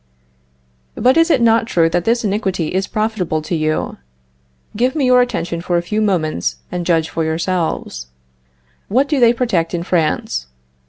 But it is not true that this iniquity is profitable to you. Give me your attention for a few moments and judge for yourselves. What do they protect in France?